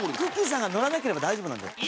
さんが乗らなければ大丈夫なんで。